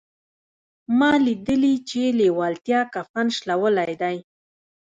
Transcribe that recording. ما ليدلي چې لېوالتیا کفن شلولی دی.